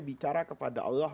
bicara kepada allah